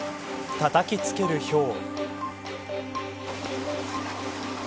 たたき付ける、ひょう。